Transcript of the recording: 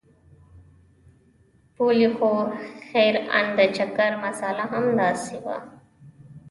بولې خو خير ان د چکر مساله هم همداسې وه.